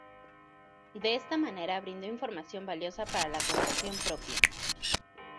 De esta manera brindó información valiosa para la conducción propia.